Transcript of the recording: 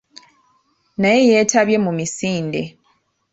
Naye yeetabye mu misinde.